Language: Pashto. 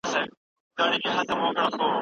په ځینو هیوادونو کي نالوستي کسان هم لارښوونه کوي.